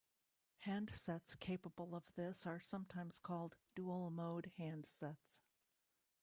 Handsets capable of this are sometimes called dual-mode handsets.